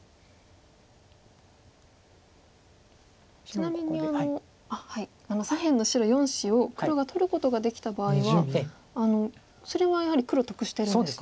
ちなみに左辺の白４子を黒が取ることができた場合はそれはやはり黒得してるんですか。